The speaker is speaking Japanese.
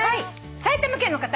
埼玉県の方。